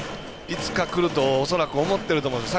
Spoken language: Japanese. いつか、くると恐らく思ってると思うんです。